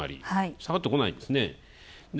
下がってこないんですね。